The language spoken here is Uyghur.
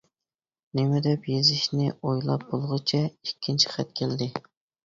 نېمە دەپ يېزىشنى ئويلاپ بولغۇچە ئىككىنچى خەت كەلدى.